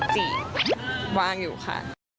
จีบว่างอยู่ค่ะ